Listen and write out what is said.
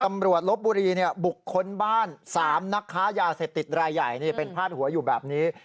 ตำรวจลบบุรีบุกค้นบ้าน๓นักค้ายาเสพติดรายใหญ่เป็นพาดหัวอยู่แบบนี้